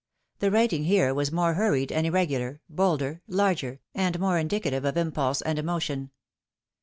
The writing here was more hurried and irregular, bolder, larger, and more indicative of impulse and emotion.